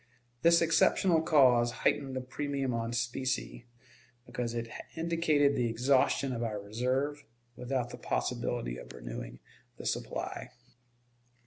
This exceptional cause heightened the premium on specie, because it indicated the exhaustion of our reserve, without the possibility of renewing the supply.